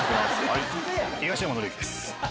東山紀之です。